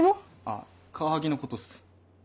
あっカワハギのことっす。